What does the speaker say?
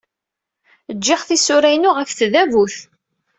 Jjiɣ tisura-inu ɣef tdabut.